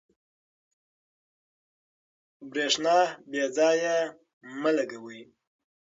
برېښنا بې ځایه مه لګوئ.